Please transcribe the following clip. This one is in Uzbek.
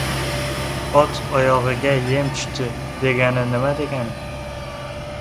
Ot oyog‘iga yem tushdi, degani nima degani?